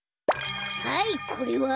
はいこれは？